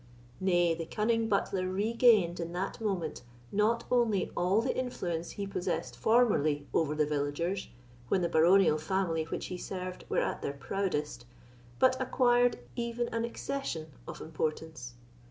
Nay, the cunning butler regained in that moment not only all the influence he possessed formerly over the villagers, when the baronial family which he served were at the proudest, but acquired even an accession of importance.